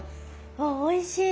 あおいしい！